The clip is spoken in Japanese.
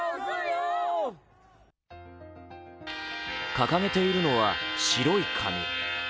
掲げているのは白い紙。